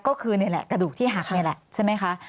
ก็คือกระดูกที่หักนี่แหละ